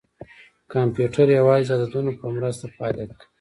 کمپیوټر یوازې د عددونو په مرسته فعالیت کوي.